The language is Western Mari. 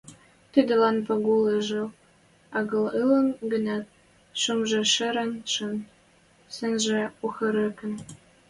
Тӹдӹлӓн Пагул ӹжӓл агыл ылын гӹнят, шӱмжӹ шӹрен шин, сӹнжӹ ойхырыктен.